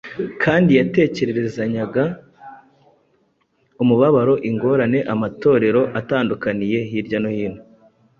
kandi yatekerezanyaga umubabaro ingorane amatorero atandukaniye hirya no hino